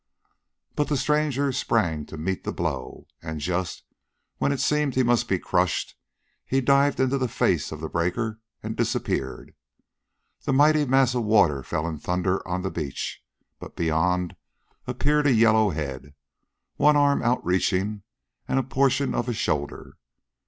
But the stranger sprang to meet the blow, and, just when it seemed he must be crushed, he dived into the face of the breaker and disappeared. The mighty mass of water fell in thunder on the beach, but beyond appeared a yellow head, one arm out reaching, and a portion of a shoulder.